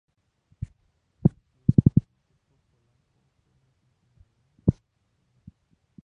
El equipo paralímpico polaco obtuvo cinco medallas en estos Juegos.